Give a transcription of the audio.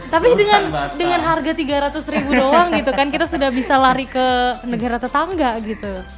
tapi dengan harga tiga ratus ribu doang gitu kan kita sudah bisa lari ke negara tetangga gitu